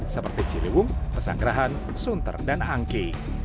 seperti ciliwung pesanggerahan sunter dan angke